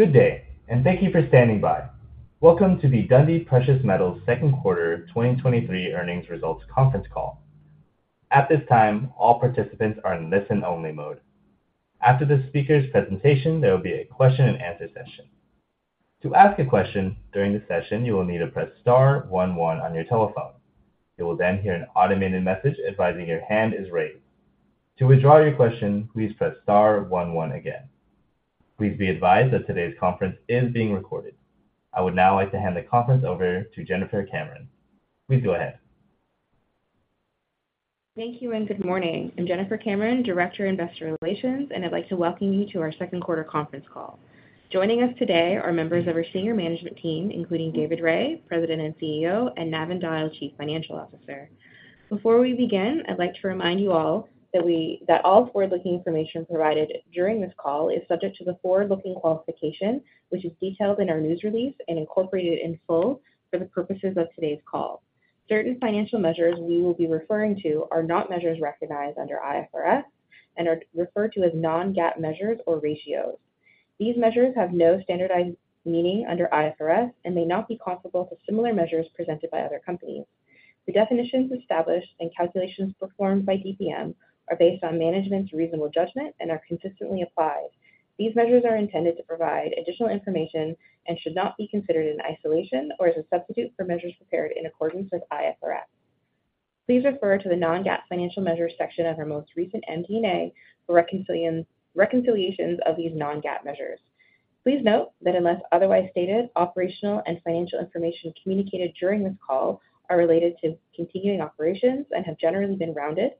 Good day. Thank you for standing by. Welcome to the Dundee Precious Metals second quarter 2023 earnings results conference call. At this time, all participants are in listen-only mode. After the speaker's presentation, there will be a question and answer session. To ask a question during the session, you will need to press star one one on your telephone. You will then hear an automated message advising your hand is raised. To withdraw your question, please press star one one again. Please be advised that today's conference is being recorded. I would now like to hand the conference over to Jennifer Cameron. Please go ahead. Thank you. Good morning. I'm Jennifer Cameron, Director of Investor Relations, and I'd like to welcome you to our second quarter conference call. Joining us today are members of our senior management team, including David Rae, President and CEO, and Navin Dyal, Chief Financial Officer. Before we begin, I'd like to remind you all that all forward-looking information provided during this call is subject to the forward-looking qualification, which is detailed in our news release and incorporated in full for the purposes of today's call. Certain financial measures we will be referring to are not measures recognized under IFRS and are referred to as non-GAAP measures or ratios. These measures have no standardized meaning under IFRS and may not be comparable to similar measures presented by other companies. The definitions established and calculations performed by DPM are based on management's reasonable judgment and are consistently applied. These measures are intended to provide additional information and should not be considered in isolation or as a substitute for measures prepared in accordance with IFRS. Please refer to the non-GAAP financial measures section of our most recent MD&A for reconciliations of these non-GAAP measures. Please note that unless otherwise stated, operational and financial information communicated during this call are related to continuing operations and have generally been rounded.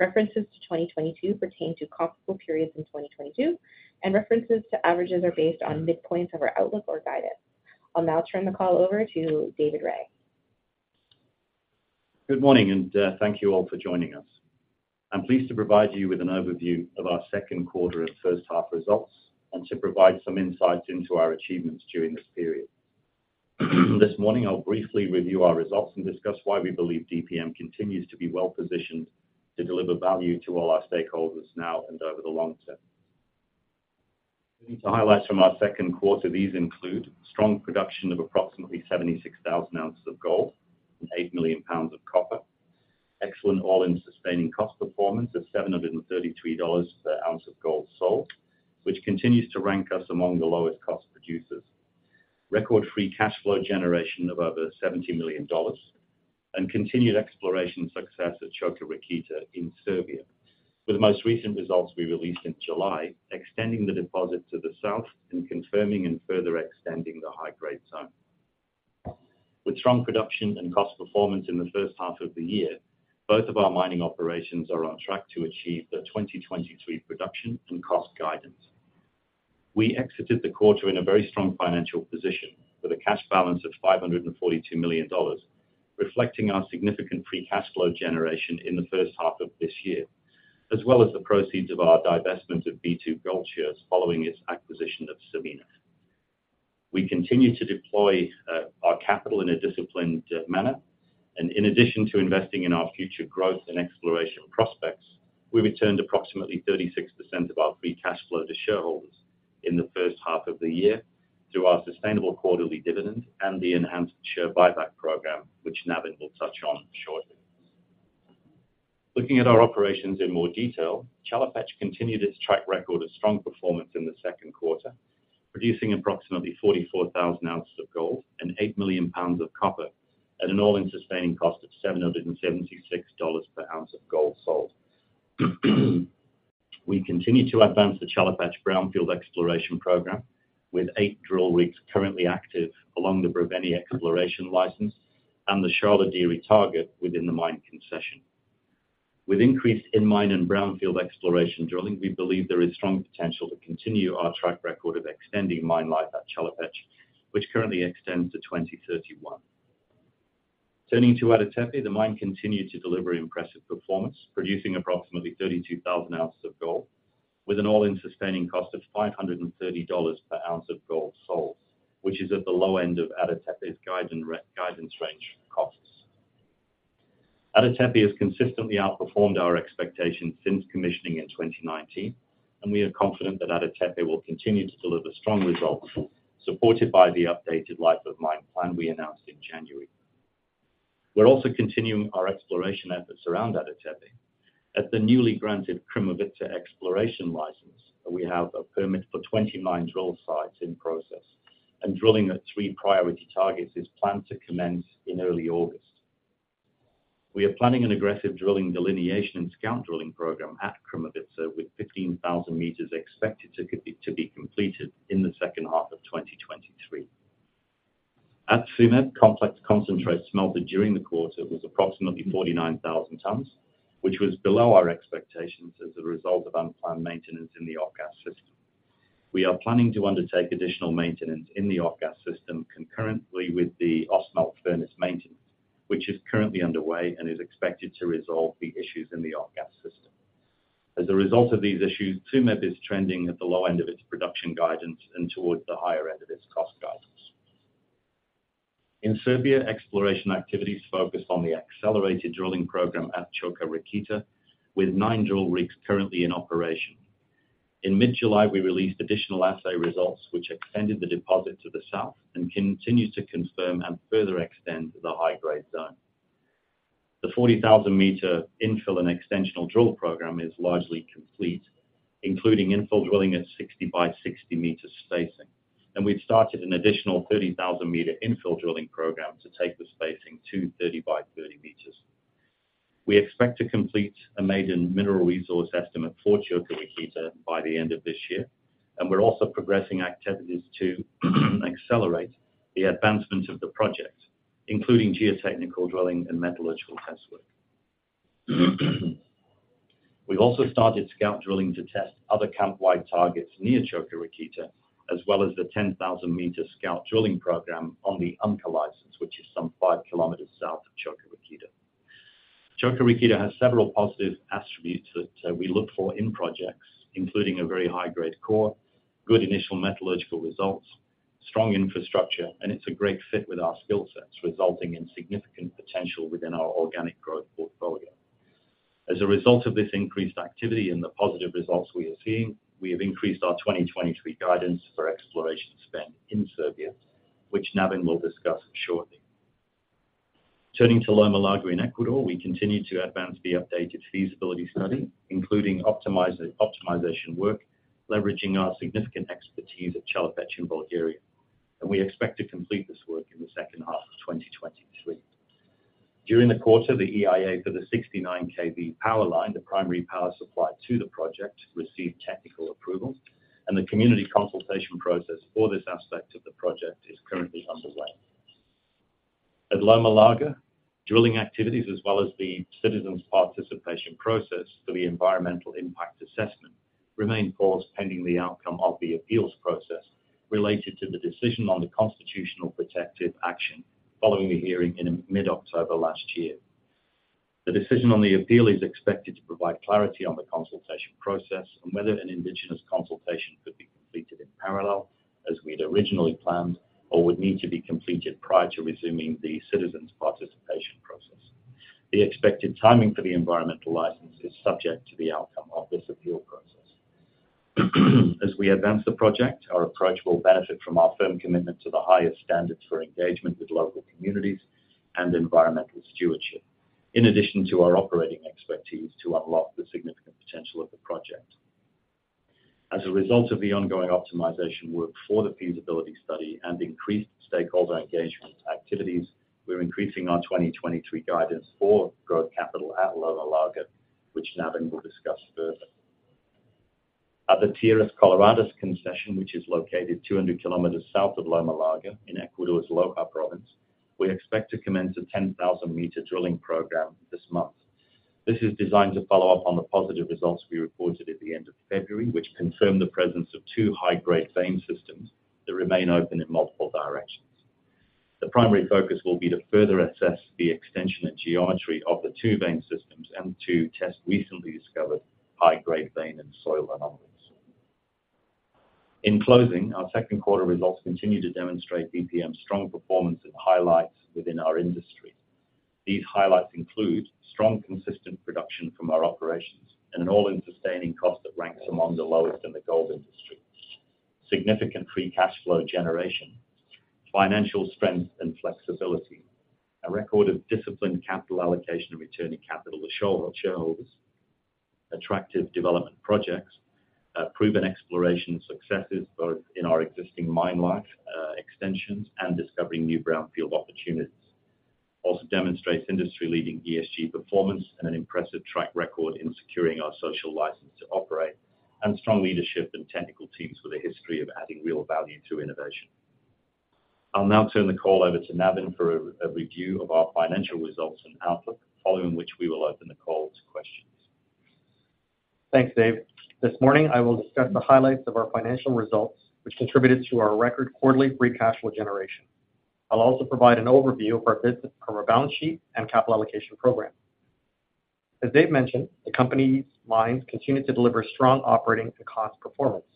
References to 2022 pertain to comparable periods in 2022, and references to averages are based on midpoints of our outlook or guidance. I'll now turn the call over to David Rae. Good morning, and thank you all for joining us. I'm pleased to provide you with an overview of our second quarter and first half results, and to provide some insights into our achievements during this period. This morning, I'll briefly review our results and discuss why we believe DPM continues to be well positioned to deliver value to all our stakeholders now and over the long term. Moving to highlights from our second quarter, these include strong production of approximately 76,000 ounces of gold and 8 million pounds of copper, excellent all-in sustaining cost performance of $733 per ounce of gold sold, which continues to rank us among the lowest cost producers. Record free cash flow generation of over $70 million, and continued exploration success at Čoka Rakita in Serbia, with the most recent results we released in July, extending the deposit to the south and confirming and further extending the high-grade zone. With strong production and cost performance in the first half of the year, both of our mining operations are on track to achieve the 2023 production and cost guidance. We exited the quarter in a very strong financial position with a cash balance of $542 million, reflecting our significant free cash flow generation in the first half of this year, as well as the proceeds of our divestment of B2Gold shares following its acquisition of Sabina. We continue to deploy our capital in a disciplined manner. In addition to investing in our future growth and exploration prospects, we returned approximately 36% of our free cash flow to shareholders in the first half of the year through our sustainable quarterly dividend and the enhanced share buyback program, which Navin will touch on shortly. Looking at our operations in more detail, Chelopech continued its track record of strong performance in the second quarter, producing approximately 44,000 ounces of gold and 8 million pounds of copper at an all-in sustaining cost of $776 per ounce of gold sold. We continue to advance the Chelopech brownfield exploration program, with 8 drill rigs currently active along the Brevene exploration license and the Sharlo Dere target within the mine concession. With increased in-mine and brownfield exploration drilling, we believe there is strong potential to continue our track record of extending mine life at Chelopech, which currently extends to 2031. Turning to Ada Tepe, the mine continued to deliver impressive performance, producing approximately 32,000 ounces of gold with an all-in sustaining cost of $530 per ounce of gold sold, which is at the low end of Ada Tepe's guidance range costs. Ada Tepe has consistently outperformed our expectations since commissioning in 2019, we are confident that Ada Tepe will continue to deliver strong results, supported by the updated life of mine plan we announced in January. We're also continuing our exploration efforts around Ada Tepe. At the newly granted Krumovitsa exploration license, we have a permit for 20 mine drill sites in process, drilling at three priority targets is planned to commence in early August. We are planning an aggressive drilling delineation and scout drilling program at Krumovitsa, with 15,000 meters expected to be completed in the second half of 2023. At Tsumeb, complex concentrates smelted during the quarter was approximately 49,000 tons, which was below our expectations as a result of unplanned maintenance in the off-gas system. We are planning to undertake additional maintenance in the off-gas system concurrently with the Ausmelt furnace maintenance, which is currently underway and is expected to resolve the issues in the off-gas system. As a result of these issues, Tsumeb is trending at the low end of its production guidance and towards the higher end of its cost guidance. In Serbia, exploration activities focused on the accelerated drilling program at Čoka Rakita, with 9 drill rigs currently in operation. In mid-July, we released additional assay results, which extended the deposit to the south and continued to confirm and further extend the high-grade zone. The 40,000 meter infill and extensional drill program is largely complete, including infill drilling at 60 by 60 meters spacing. We've started an additional 30,000 meter infill drilling program to take the spacing to 30 by 30 meters. We expect to complete a maiden mineral resource estimate for Čoka Rakita by the end of this year. We're also progressing activities to accelerate the advancement of the project, including geotechnical drilling and metallurgical test work. We've also started scout drilling to test other camp-wide targets near Čoka Rakita, as well as the 10,000 meter scout drilling program on the Umka license, which is some 5 kilometers south of Čoka Rakita. Čoka Rakita has several positive attributes that we look for in projects, including a very high-grade core, good initial metallurgical results, strong infrastructure, and it's a great fit with our skill sets, resulting in significant potential within our organic growth portfolio. As a result of this increased activity and the positive results we are seeing, we have increased our 2023 guidance for exploration spend in Serbia, which Navin will discuss shortly. Turning to Loma Larga in Ecuador, we continue to advance the updated feasibility study, including optimization work, leveraging our significant expertise at Chelopech in Bulgaria, and we expect to complete this work in the second half of 2023. During the quarter, the EIA for the 69 KV power line, the primary power supply to the project, received technical approval, and the community consultation process for this aspect of the project is currently underway. At Loma Larga, drilling activities, as well as the citizens' participation process for the environmental impact assessment, remain paused pending the outcome of the appeals process related to the decision on the Constitutional Protective Action following a hearing in mid-October last year. The decision on the appeal is expected to provide clarity on the consultation process and whether an indigenous consultation could be completed in parallel, as we'd originally planned, or would need to be completed prior to resuming the citizens' participation process. The expected timing for the environmental license is subject to the outcome of this appeal process. As we advance the project, our approach will benefit from our firm commitment to the highest standards for engagement with local communities and environmental stewardship, in addition to our operating expertise to unlock the significant potential of the project. As a result of the ongoing optimization work for the feasibility study and increased stakeholder engagement activities, we're increasing our 2023 guidance for growth capital at Loma Larga, which Navin will discuss further. At the Tierras Coloradas concession, which is located 200 kilometers south of Loma Larga in Ecuador's Loja Province, we expect to commence a 10,000 meter drilling program this month. This is designed to follow up on the positive results we reported at the end of February, which confirm the presence of two high-grade vein systems that remain open in multiple directions. The primary focus will be to further assess the extension and geometry of the two vein systems, and to test recently discovered high-grade vein and soil anomalies. In closing, our second quarter results continue to demonstrate DPM's strong performance and highlights within our industry. These highlights include strong, consistent production from our operations and an all-in sustaining cost that ranks among the lowest in the gold industry. Significant free cash flow generation, financial strength and flexibility, a record of disciplined capital allocation and returning capital to shareholder, shareholders, attractive development projects, proven exploration successes, both in our existing mine life, extensions, and discovering new brownfield opportunities. Also demonstrates industry-leading ESG performance and an impressive track record in securing our social license to operate, and strong leadership and technical teams with a history of adding real value through innovation. I'll now turn the call over to Navin for a review of our financial results and outlook, following which we will open the call to questions. Thanks, Dave. This morning, I will discuss the highlights of our financial results, which contributed to our record quarterly free cash flow generation. I'll also provide an overview of our business from our balance sheet and capital allocation program. As Dave mentioned, the company's mines continued to deliver strong operating and cost performance.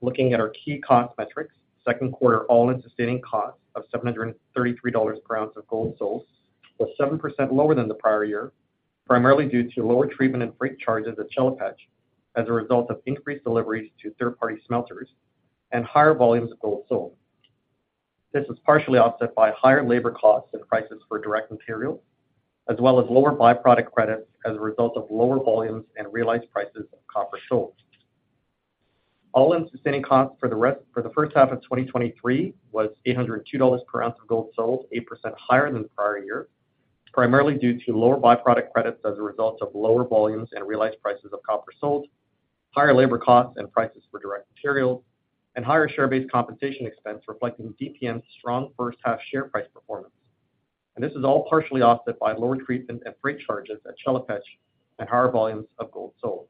Looking at our key cost metrics, second quarter all-in sustaining cost of $733 per ounce of gold sold was 7% lower than the prior year, primarily due to lower treatment and freight charges at Chelopech, as a result of increased deliveries to third-party smelters and higher volumes of gold sold. This was partially offset by higher labor costs and prices for direct material, as well as lower byproduct credits as a result of lower volumes and realized prices of copper sold. All-in sustaining costs for the first half of 2023 was $802 per ounce of gold sold, 8% higher than the prior year, primarily due to lower byproduct credits as a result of lower volumes and realized prices of copper sold, higher labor costs and prices for direct material, and higher share-based compensation expense, reflecting DPM's strong first half share price performance. This is all partially offset by lower treatment and freight charges at Chelopech and higher volumes of gold sold.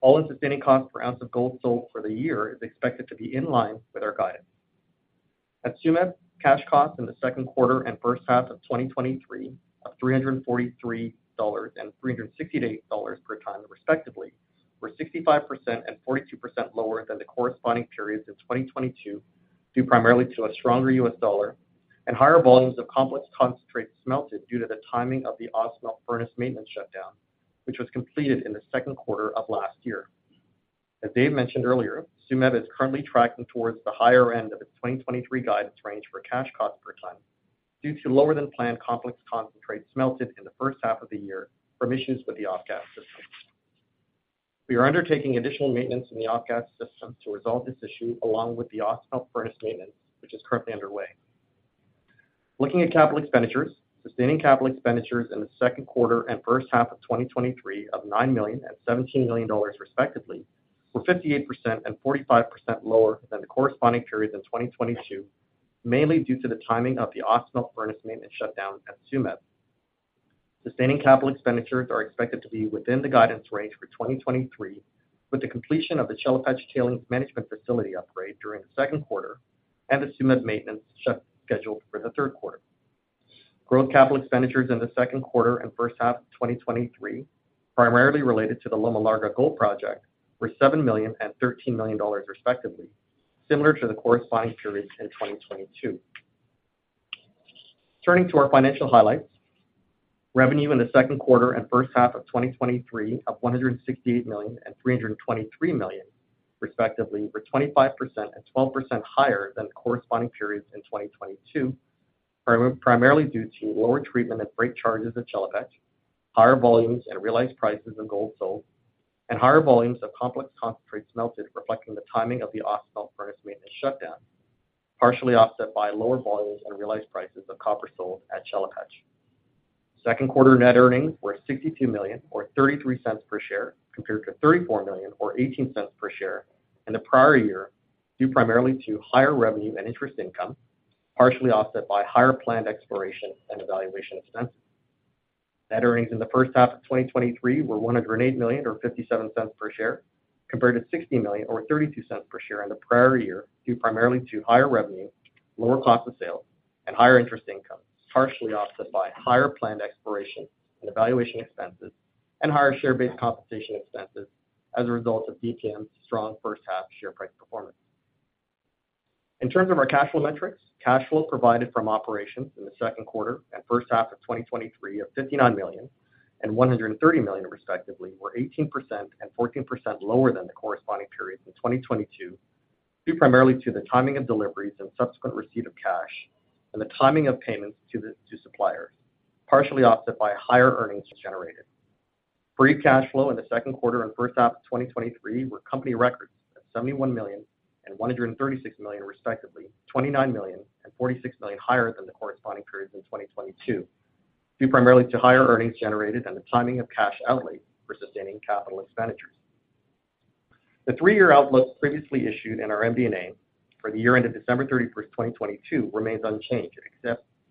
All-in sustaining cost per ounce of gold sold for the year is expected to be in line with our guidance. At Tsumeb, cash costs in the second quarter and first half of 2023 of $343 and $368 per ton, respectively. were 65% and 42% lower than the corresponding periods in 2022, due primarily to a stronger US dollar and higher volumes of complex concentrates smelted due to the timing of the Ausmelt furnace maintenance shutdown, which was completed in the second quarter of last year. As Dave mentioned earlier, Tsumeb is currently tracking towards the higher end of its 2023 guidance range for cash cost per ton, due to lower than planned complex concentrates smelted in the first half of the year from issues with the off-gas system. We are undertaking additional maintenance in the off-gas system to resolve this issue, along with the Ausmelt furnace maintenance, which is currently underway. Looking at capital expenditures, sustaining capital expenditures in the second quarter and first half of 2023 of $9 million and $17 million, respectively, were 58% and 45% lower than the corresponding periods in 2022, mainly due to the timing of the Ausmelt furnace maintenance shutdown at Tsumeb. Sustaining capital expenditures are expected to be within the guidance range for 2023, with the completion of the Chelopech Tailings management facility upgrade during the second quarter and the Tsumeb maintenance scheduled for the third quarter. Growth capital expenditures in the second quarter and first half of 2023, primarily related to the Loma Larga Gold Project, were $7 million and $13 million, respectively, similar to the corresponding periods in 2022. Turning to our financial highlights. Revenue in the second quarter and first half of 2023 of $168 million and $323 million, respectively, were 25% and 12% higher than the corresponding periods in 2022, primarily due to lower treatment and freight charges at Chelopech, higher volumes and realized prices of gold sold, and higher volumes of complex concentrates smelted, reflecting the timing of the Ausmelt furnace maintenance shutdown, partially offset by lower volumes and realized prices of copper sold at Chelopech. Second quarter net earnings were $62 million, or $0.33 per share, compared to $34 million or $0.18 per share in the prior year, due primarily to higher revenue and interest income, partially offset by higher planned exploration and evaluation expenses. Net earnings in the first half of 2023 were $108 million, or $0.57 per share, compared to $60 million or $0.32 per share in the prior year, due primarily to higher revenue, lower cost of sales, and higher interest income, partially offset by higher planned exploration and evaluation expenses and higher share-based compensation expenses as a result of DPM's strong first half share price performance. In terms of our cash flow metrics, cash flow provided from operations in the second quarter and first half of 2023 of $59 million and $130 million, respectively, were 18% and 14% lower than the corresponding periods in 2022, due primarily to the timing of deliveries and subsequent receipt of cash and the timing of payments to suppliers, partially offset by higher earnings generated. Free cash flow in the second quarter and first half of 2023 were company records at $71 million and $136 million, respectively, $29 million and $46 million higher than the corresponding periods in 2022, due primarily to higher earnings generated and the timing of cash outlay for sustaining capital expenditures. The 3-year outlook previously issued in our MD&A for the year ended December 31st, 2022, remains unchanged,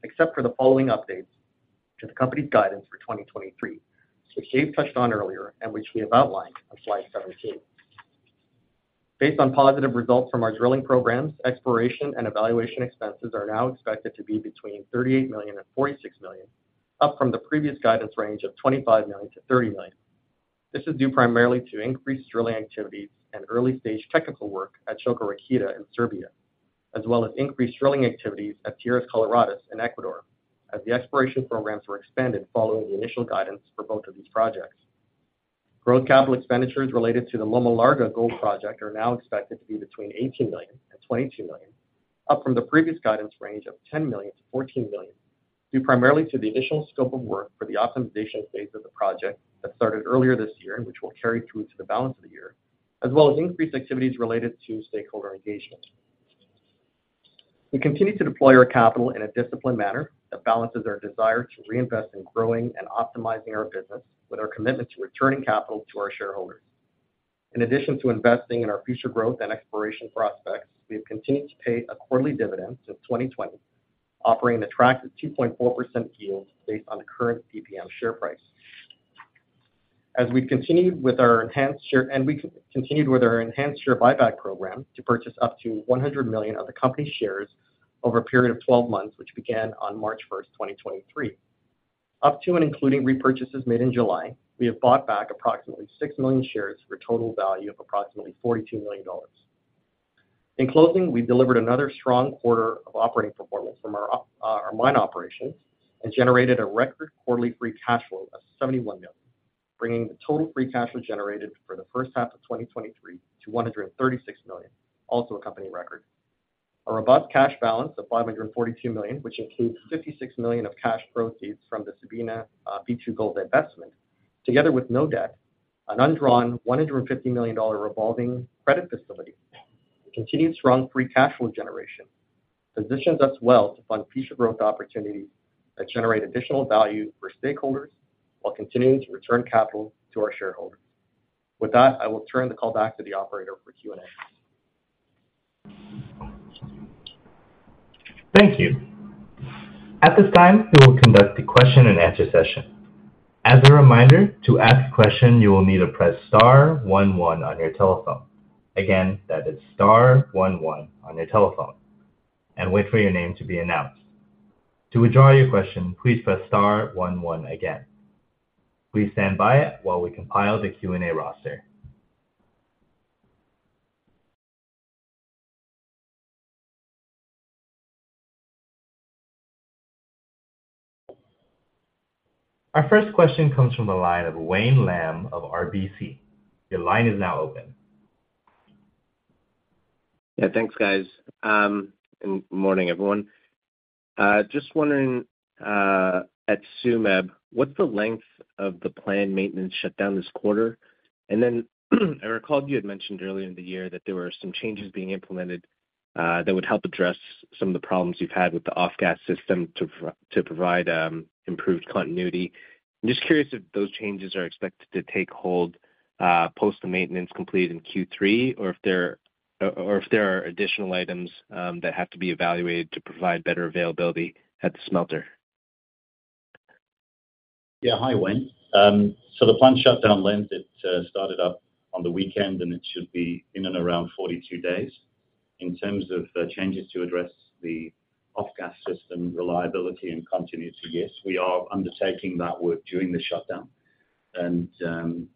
except for the following updates to the company's guidance for 2023, which Dave touched on earlier and which we have outlined on slide 17. Based on positive results from our drilling programs, exploration and evaluation expenses are now expected to be between $38 million and $46 million, up from the previous guidance range of $25 million to $30 million. This is due primarily to increased drilling activities and early-stage technical work at Čoka Rakita in Serbia, as well as increased drilling activities at Tierras Coloradas in Ecuador, as the exploration programs were expanded following the initial guidance for both of these projects. Growth capital expenditures related to the Loma Larga Gold Project are now expected to be between $18 million and $22 million, up from the previous guidance range of $10 million-$14 million, due primarily to the initial scope of work for the optimization phase of the project that started earlier this year and which will carry through to the balance of the year, as well as increased activities related to stakeholder engagement. We continue to deploy our capital in a disciplined manner that balances our desire to reinvest in growing and optimizing our business with our commitment to returning capital to our shareholders. In addition to investing in our future growth and exploration prospects, we have continued to pay a quarterly dividend since 2020, offering an attractive 2.4% yield based on the current DPM share price. We continued with our enhanced share buyback program to purchase up to 100 million of the company's shares over a period of 12 months, which began on March first, 2023. Up to and including repurchases made in July, we have bought back approximately 6 million shares for a total value of approximately $42 million. In closing, we delivered another strong quarter of operating performance from our mine operations and generated a record quarterly free cash flow of $71 million, bringing the total free cash flow generated for the first half of 2023 to $136 million, also a company record. A robust cash balance of $542 million, which includes $56 million of cash proceeds from the Sabina B2Gold investment, together with no debt, an undrawn $150 million revolving credit facility, and continued strong free cash flow generation, positions us well to fund future growth opportunities that generate additional value for stakeholders while continuing to return capital to our shareholders. With that, I will turn the call back to the operator for Q&A. Thank you. At this time, we will conduct a question-and-answer session. As a reminder, to ask a question, you will need to press star one one on your telephone. Again, that is star one one on your telephone, and wait for your name to be announced. To withdraw your question, please press star one one again. Please stand by while we compile the Q&A roster. Our first question comes from the line of Wayne Lam of RBC. Your line is now open. Yeah, thanks, guys. Morning, everyone. Just wondering, at Tsumeb, what's the length of the planned maintenance shutdown this quarter? Then, I recall you had mentioned earlier in the year that there were some changes being implemented that would help address some of the problems you've had with the off-gas system to provide improved continuity. I'm just curious if those changes are expected to take hold post the maintenance completed in Q3, or if there are additional items that have to be evaluated to provide better availability at the smelter? Yeah. Hi, Wayne. The planned shutdown length, it started up on the weekend, and it should be in and around 42 days. In terms of changes to address the off-gas system reliability and continuity, yes, we are undertaking that work during the shutdown.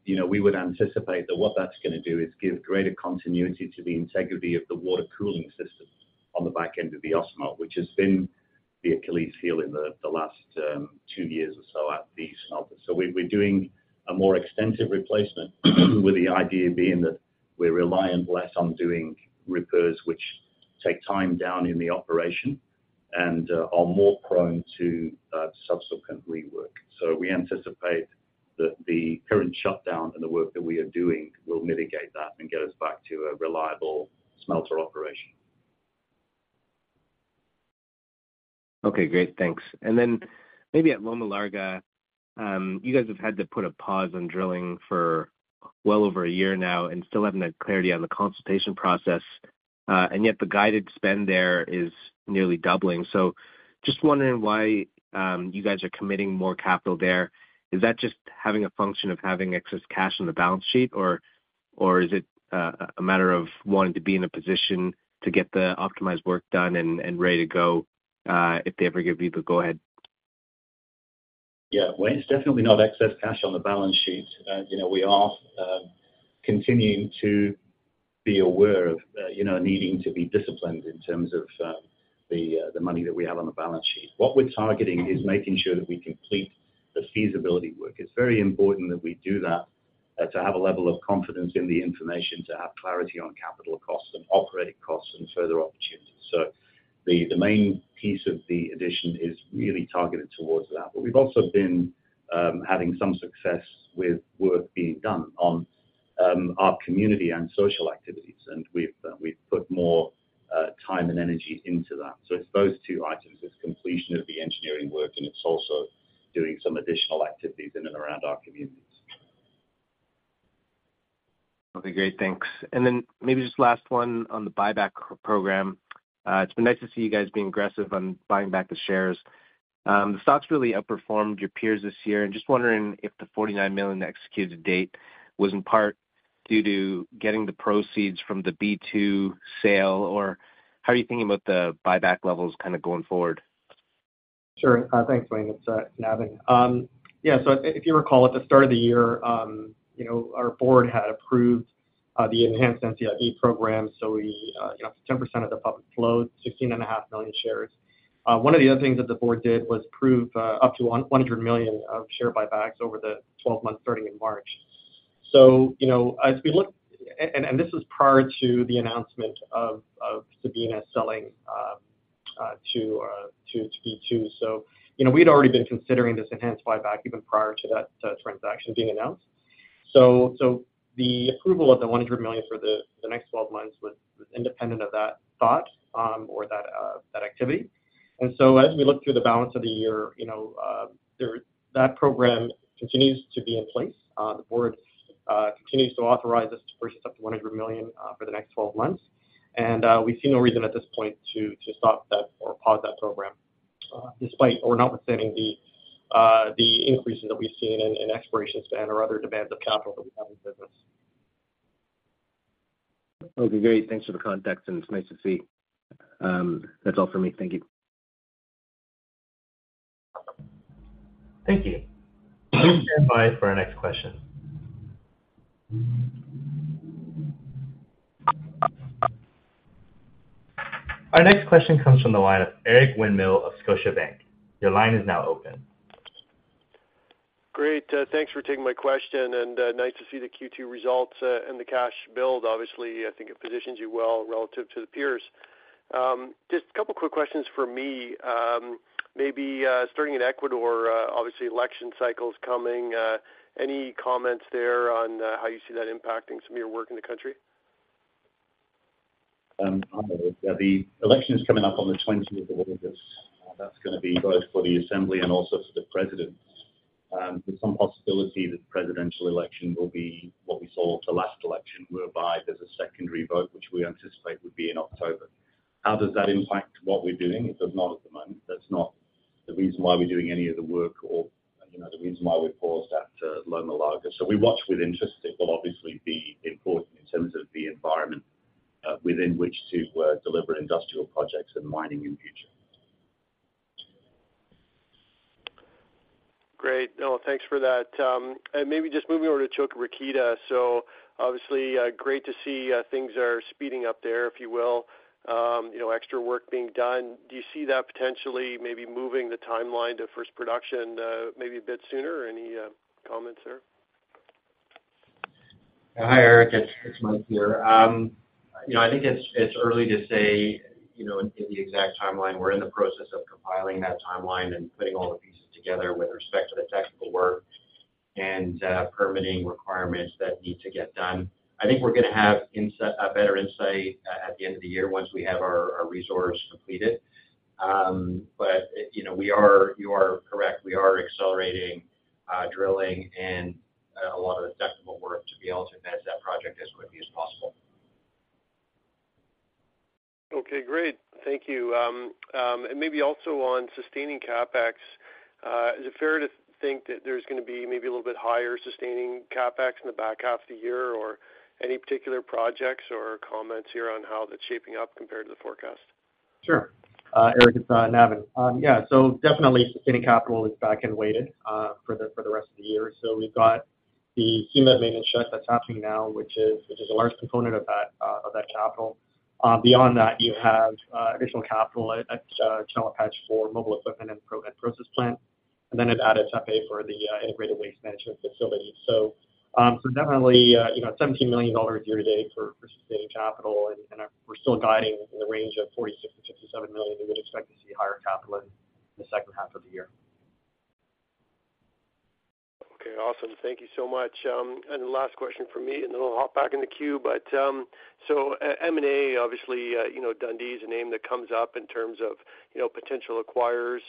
You know, we would anticipate that what that's gonna do is give greater continuity to the integrity of the water cooling system on the back end of the Ausmelt, which has been the Achilles heel in the, the last, 2 years or so at the smelter. We're doing a more extensive replacement, with the idea being that we're reliant less on doing repairs which take time down in the operation and are more prone to subsequent rework. We anticipate that the current shutdown and the work that we are doing will mitigate that and get us back to a reliable smelter operation. Okay, great. Thanks. Then maybe at Loma Larga, you guys have had to put a pause on drilling for well over a year now and still haven't had clarity on the consultation process, and yet the guided spend there is nearly doubling. Just wondering why you guys are committing more capital there? Is that just having a function of having excess cash on the balance sheet, or is it, a matter of wanting to be in a position to get the optimized work done and, and ready to go, if they ever give you the go-ahead? Yeah. Well, it's definitely not excess cash on the balance sheet. You know, we are continuing to be aware of, you know, needing to be disciplined in terms of the, the money that we have on the balance sheet. What we're targeting is making sure that we complete the feasibility work. It's very important that we do that, to have a level of confidence in the information, to have clarity on capital costs and operating costs and further opportunities. The, the main piece of the addition is really targeted towards that. But we've also been having some success with work being done on our community and social activities, and we've we've put more time and energy into that. It's those two items. It's completion of the engineering work, and it's also doing some additional activities in and around our communities. Okay, great. Thanks. Then maybe just last one on the buyback program. It's been nice to see you guys being aggressive on buying back the shares. The stock's really outperformed your peers this year, just wondering if the $49 million executed to date was in part due to getting the proceeds from the B2 sale, or how are you thinking about the buyback levels kind of going forward? Sure. Thanks, Wayne. It's Navin. Yeah, so if you recall, at the start of the year, you know, our board had approved the enhanced NCIB program, so we, you know, up to 10% of the public float, 16.5 million shares. One of the other things that the board did was approve up to $100 million of share buybacks over the 12 months starting in March. You know, and, and this was prior to the announcement of Sabina selling to B2. You know, we'd already been considering this enhanced buyback even prior to that transaction being announced. The approval of the $100 million for the, the next 12 months was, was independent of that thought or that activity. As we look through the balance of the year, you know, there, that program continues to be in place. The board continues to authorize us to purchase up to $100 million for the next 12 months. We see no reason at this point to, to stop that or pause that program despite or notwithstanding the increases that we've seen in exploration spend or other demands of capital that we have in the business. Okay, great. Thanks for the context, and it's nice to see. That's all for me. Thank you. Thank you. Please stand by for our next question. Our next question comes from the line of Eric Winmill of Scotiabank. Your line is now open. Great, thanks for taking my question, and nice to see the Q2 results, and the cash build. Obviously, I think it positions you well relative to the peers. Just a couple quick questions from me. Maybe starting in Ecuador, obviously, election cycle's coming. Any comments there on how you see that impacting some of your work in the country? The election is coming up on the 20th of August. That's gonna be both for the assembly and also for the president. There's some possibility that the presidential election will be what we saw at the last election, whereby there's a secondary vote, which we anticipate would be in October. How does that impact what we're doing? It does not at the moment. That's not the reason why we're doing any of the work or, you know, the reason why we paused at Loma Larga. We watch with interest. It will obviously be important in terms of the environment. within which to deliver industrial projects and mining in the future. Great. No, thanks for that. Maybe just moving over to Chelopech. Obviously, great to see things are speeding up there, if you will, you know, extra work being done. Do you see that potentially maybe moving the timeline to first production, maybe a bit sooner? Any comments there? Hi, Eric, it's, it's Mike here. You know, I think it's, it's early to say, you know, in, in the exact timeline. We're in the process of compiling that timeline and putting all the pieces together with respect to the technical work and permitting requirements that need to get done. I think we're gonna have a better insight at the end of the year, once we have our, our resource completed. But, it, you know, you are correct, we are accelerating drilling and a lot of the technical work to be able to advance that project as quickly as possible. Okay, great. Thank you. Maybe also on sustaining CapEx, is it fair to think that there's gonna be maybe a little bit higher sustaining CapEx in the back half of the year, or any particular projects or comments here on how that's shaping up compared to the forecast? Sure. Eric, it's Navin. Yeah, definitely, sustaining capital is back and weighted for the rest of the year. We've got the Tsumeb maintenance shut that's happening now, which is, which is a large component of that capital. Beyond that, you have additional capital at Chelopech for mobile equipment and process plant, and then at Ada Tepe for the integrated waste management facility. Definitely, you know, $17 million year to date for sustaining capital, and we're still guiding in the range of $46 million-$67 million, and we'd expect to see higher capital in the second half of the year. Okay, awesome. Thank you so much. The last question from me, then I'll hop back in the queue. M&A, obviously, you know, Dundee is a name that comes up in terms of, you know, potential acquirers.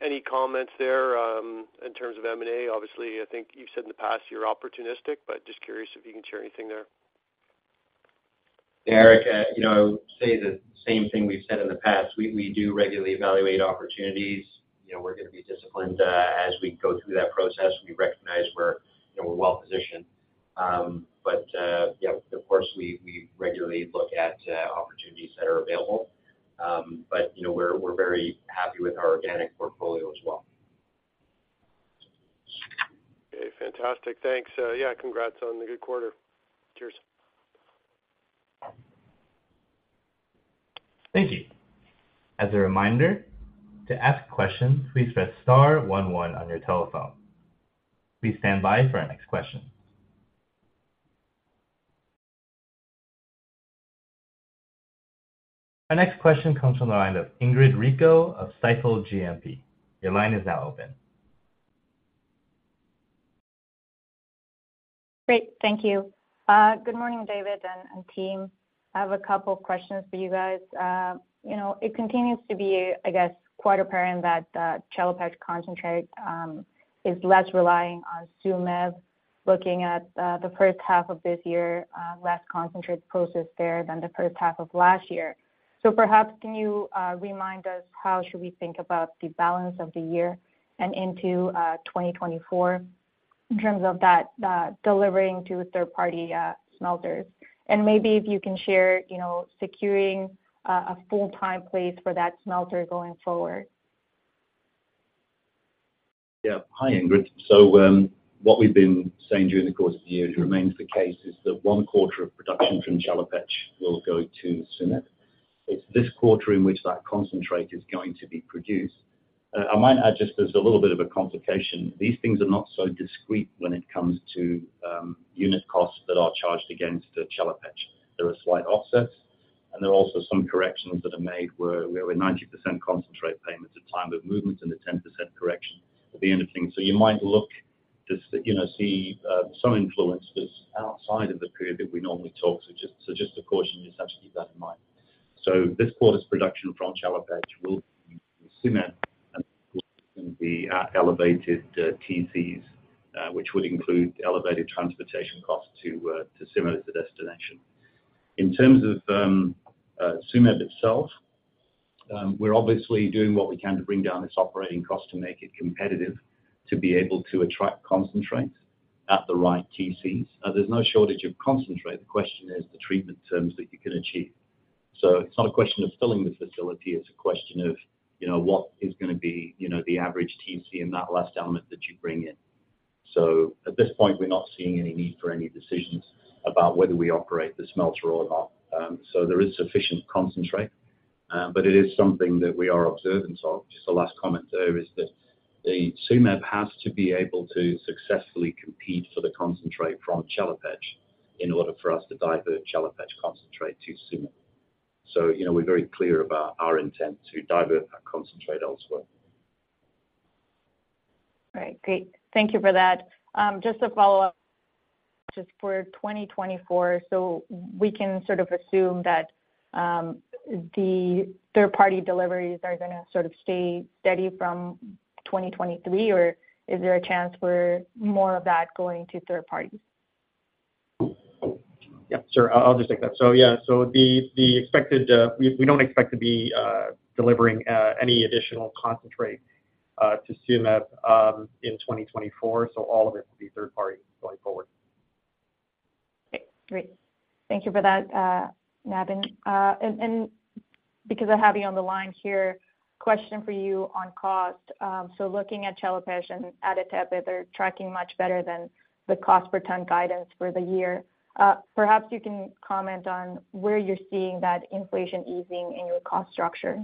Any comments there in terms of M&A? Obviously, I think you've said in the past you're opportunistic, but just curious if you can share anything there. Eric, you know, I would say the same thing we've said in the past. We, we do regularly evaluate opportunities. You know, we're gonna be disciplined as we go through that process. We recognize we're, you know, we're well positioned. But, yeah, of course, we, we regularly look at opportunities that are available. But, you know, we're, we're very happy with our organic portfolio as well. Okay, fantastic. Thanks. Yeah, congrats on the good quarter. Cheers. Thank you. As a reminder, to ask questions, please press star one one on your telephone. Please stand by for our next question. Our next question comes from the line of Ingrid Rico of Stifel GMP. Your line is now open. Great. Thank you. Good morning, David and team. I have a couple of questions for you guys. You know, it continues to be, I guess, quite apparent that Chelopech concentrate is less relying on Tsumeb, looking at the first half of this year, less concentrate processed there than the first half of last year. Perhaps, can you remind us how should we think about the balance of the year and into 2024 in terms of that delivering to third-party smelters? Maybe if you can share, you know, securing a full-time place for that smelter going forward. Yeah. Hi, Ingrid. What we've been saying during the course of the year, it remains the case, is that one quarter of production from Chelopech will go to Tsumeb. It's this quarter in which that concentrate is going to be produced. I might add, just there's a little bit of a complication. These things are not so discrete when it comes to unit costs that are charged against the Chelopech. There are slight offsets, and there are also some corrections that are made, where we're 90% concentrate payments at time, but movement in the 10% correction at the end of things. You might look to you know, see some influences outside of the period that we normally talk. Just a caution, you just have to keep that in mind. This quarter's production from Chelopech will be Tsumeb, and the elevated TCs, which would include elevated transportation costs to Tsumeb, the destination. In terms of Tsumeb itself, we're obviously doing what we can to bring down this operating cost to make it competitive, to be able to attract concentrate at the right TCs. There's no shortage of concentrate. The question is the treatment terms that you can achieve. It's not a question of filling the facility, it's a question of, you know, what is gonna be, you know, the average TC in that last element that you bring in. At this point, we're not seeing any need for any decisions about whether we operate the smelter or not. There is sufficient concentrate, but it is something that we are observant of. Just the last comment, though, is that the Tsumeb has to be able to successfully compete for the concentrate from Chelopech in order for us to divert Chelopech concentrate to Tsumeb. You know, we're very clear about our intent to divert that concentrate elsewhere. All right, great. Thank you for that. Just to follow up, just for 2024, so we can sort of assume that the third-party deliveries are gonna sort of stay steady from 2023, or is there a chance for more of that going to third party? Yeah, sure. I'll just take that. Yeah, so the expected, we don't expect to be delivering, any additional concentrate, to CMS, in 2024, so all of it will be third party going forward. Okay, great. Thank you for that, Navin. Because I have you on the line here, question for you on cost. Looking at Chelopech and Ada Tepe, they're tracking much better than the cost per ton guidance for the year. Perhaps you can comment on where you're seeing that inflation easing in your cost structure?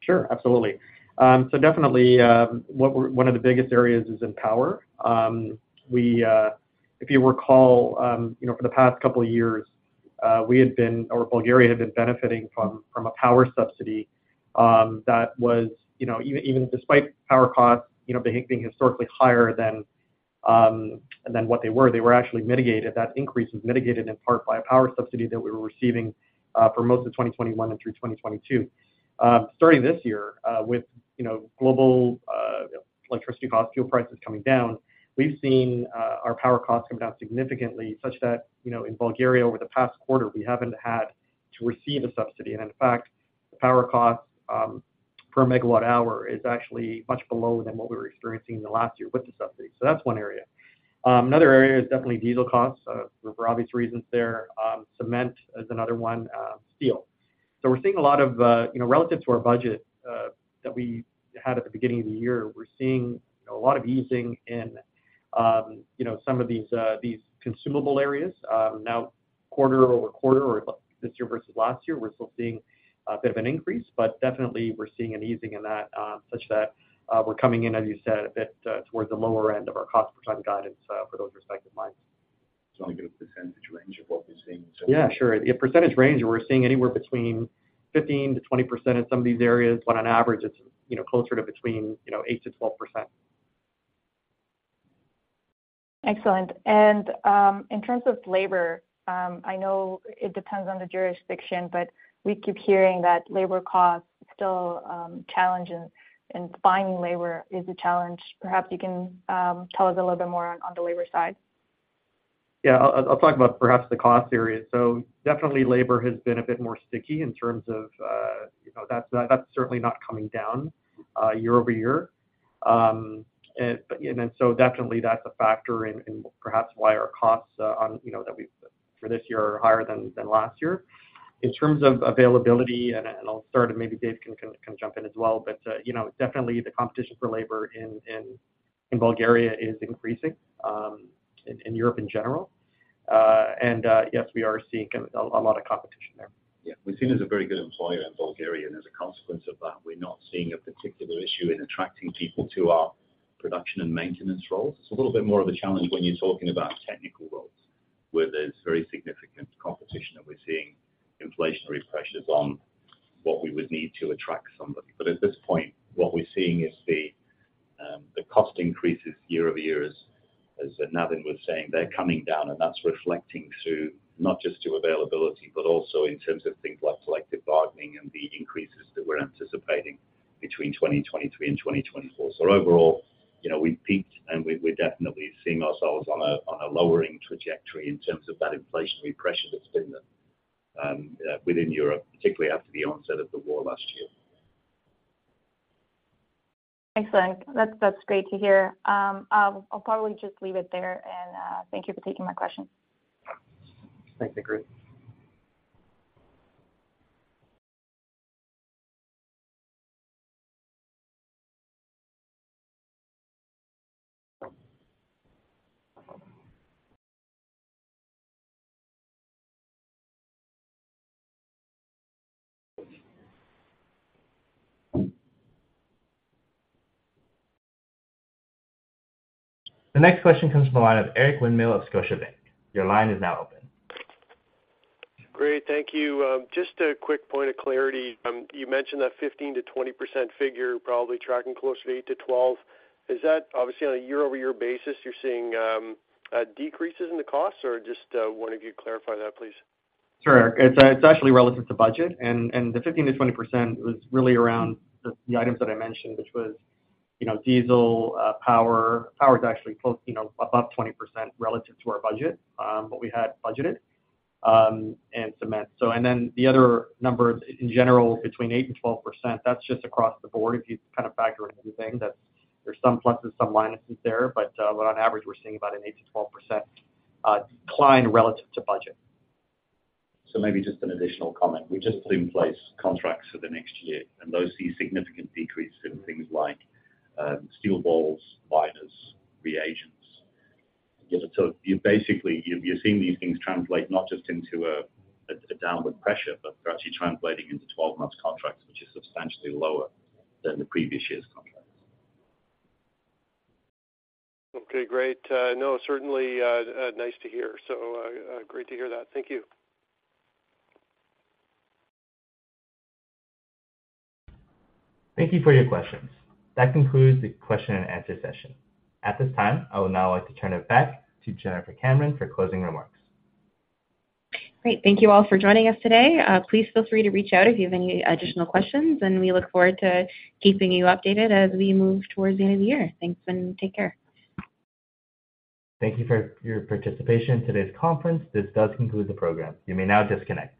Sure, absolutely. Definitely, what we're... One of the biggest areas is in power. We, if you recall, you know, for the past couple of years, we had been, or Bulgaria had been benefiting from, from a power subsidy, that was, you know, even, even despite power costs, you know, being, being historically higher than what they were. They were actually mitigated. That increase was mitigated in part by a power subsidy that we were receiving, for most of 2021 and through 2022. Starting this year, with, you know, global electricity costs, fuel prices coming down, we've seen our power costs come down significantly such that, you know, in Bulgaria, over the past quarter, we haven't had to receive a subsidy. In fact, the power cost per megawatt hour is actually much below than what we were experiencing in the last year with the subsidy. That's one area. Another area is definitely diesel costs for obvious reasons there. Cement is another one, steel. We're seeing a lot of, you know, relative to our budget that we had at the beginning of the year, we're seeing a lot of easing in, you know, some of these consumable areas. Now, quarter-over-quarter or this year versus last year, we're still seeing a bit of an increase, but definitely we're seeing an easing in that, such that, we're coming in, as you said, a bit, towards the lower end of our cost per ton guidance for those respective mines. Like a percentage range of what we're seeing? Yeah, sure. A percentage range, we're seeing anywhere between 15%-20% in some of these areas, but on average, it's, you know, closer to between, you know, 8%-12%. Excellent. In terms of labor, I know it depends on the jurisdiction, but we keep hearing that labor costs still challenge and finding labor is a challenge. Perhaps you can tell us a little bit more on the labor side. Yeah, I'll, I'll talk about perhaps the cost area. Definitely labor has been a bit more sticky in terms of, you know, that's, that's certainly not coming down, year-over-year. Definitely that's a factor in, in perhaps why our costs on, you know, that we've, for this year are higher than, than last year. In terms of availability, and I'll start, and maybe Dave can jump in as well, but, you know, definitely the competition for labor in, in, in Bulgaria is increasing, in, in Europe in general. Yes, we are seeing a, a lot of competition there. Yeah, we're seen as a very good employer in Bulgaria, and as a consequence of that, we're not seeing a particular issue in attracting people to our production and maintenance roles. It's a little bit more of a challenge when you're talking about technical roles, where there's very significant competition, and we're seeing inflationary pressures on what we would need to attract somebody. At this point, what we're seeing is the, the cost increases year-over-year, as Navin was saying, they're coming down, and that's reflecting to not just to availability, but also in terms of things like collective bargaining and the increases that we're anticipating between 2023 and 2024. Overall, you know, we've peaked, and we, we're definitely seeing ourselves on a, on a lowering trajectory in terms of that inflationary pressure that's been within Europe, particularly after the onset of the war last year. Excellent. That's, that's great to hear. I'll, I'll probably just leave it there, and thank you for taking my question. Thank you. The next question comes from the line of Eric Winmill of Scotiabank. Your line is now open. Great, thank you. Just a quick point of clarity. You mentioned that 15%-20% figure, probably tracking closer to 8%-12%. Is that obviously on a year-over-year basis, you're seeing, decreases in the costs, or just, want to you clarify that, please? Sure, Eric. It's, it's actually relative to budget, and, and the 15%-20% was really around the, the items that I mentioned, which was, you know, diesel, power. Power is actually close, you know, above 20% relative to our budget, what we had budgeted, and cement. And then the other number in general, between 8%-12%, that's just across the board. If you kind of factor in everything, that there's some pluses, some minuses there, but on average, we're seeing about an 8%-12% decline relative to budget. Maybe just an additional comment. We just put in place contracts for the next year, and those see a significant decrease in things like, steel balls, liners, reagents. You basically, you're, you're seeing these things translate not just into a, a, a downward pressure, but they're actually translating into 12 months contracts, which is substantially lower than the previous year's contracts. Okay, great. No, certainly, nice to hear. Great to hear that. Thank you. Thank you for your questions. That concludes the question and answer session. At this time, I would now like to turn it back to Jennifer Cameron for closing remarks. Great. Thank you all for joining us today. Please feel free to reach out if you have any additional questions, and we look forward to keeping you updated as we move towards the end of the year. Thanks. Take care. Thank you for your participation in today's conference. This does conclude the program. You may now disconnect.